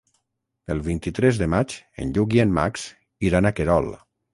El vint-i-tres de maig en Lluc i en Max iran a Querol.